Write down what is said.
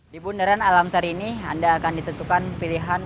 di bundaran alam sar ini anda akan ditentukan pilihan